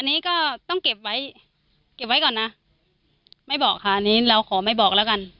อันนี้ก็ต้องเก็บไว้เก็บไว้ก่อนนะไม่บอกค่ะอันนี้เราขอไม่บอกแล้วกัน